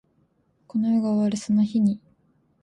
この世が終わるその日に